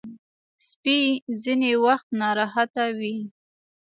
سپي ځینې وخت ناراحته وي.